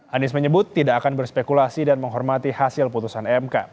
anies menyebut tidak akan berspekulasi dan menghormati hasil putusan mk